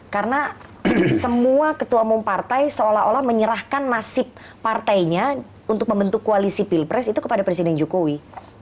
karena semua ketua umum partai seolah olah menyerahkan nasib partainya untuk membentuk koalisi pilpres itu kepada presiden jokowi